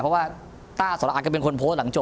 เพราะว่าต้าสรอัดก็เป็นคนโพสต์หลังโจ